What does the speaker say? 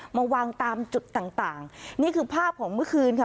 มาวางตามจุดต่างต่างนี่คือภาพของเมื่อคืนค่ะ